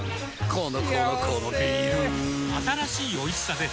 このこのこのビール新